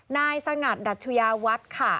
นายสงัดดัชยาวัฒน์ค่ะ